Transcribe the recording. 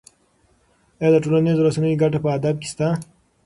ایا د ټولنیزو رسنیو ګټه په ادب کې شته؟